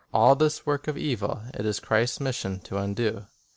All this work of evil it is Christ's mission to undo.